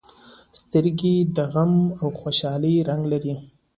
سترګې د غم او خوشالۍ رنګ لري